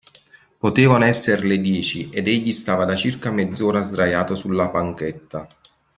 Potevano esser le dieci ed egli stava da circa mezz'ora sdraiato sulla panchetta.